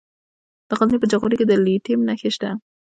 د غزني په جاغوري کې د لیتیم نښې شته.